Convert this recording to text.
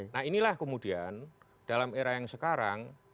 nah inilah kemudian dalam era yang sekarang